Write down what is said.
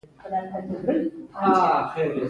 دا دژوند بار نۀ دی چې ستا ملا در ماتوي